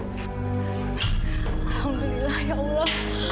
alhamdulillah ya allah